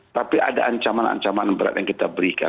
tapi ada ancaman ancaman berat yang kita berikan